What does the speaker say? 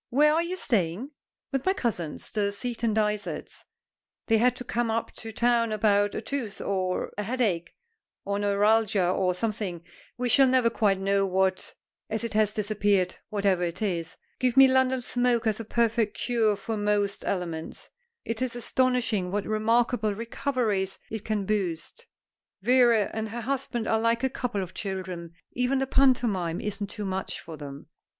"Where are you staying?" "With my cousins, the Seaton Dysarts. They had to come up to town about a tooth, or a headache, or neuralgia, or something; we shall never quite know what, as it has disappeared, whatever it is. Give me London smoke as a perfect cure for most ailments. It is astonishing what remarkable recoveries it can boast. Vera and her husband are like a couple of children. Even the pantomime isn't too much for them."